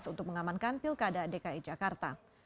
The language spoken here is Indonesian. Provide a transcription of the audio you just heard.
untuk mengamankan pilkada dki jakarta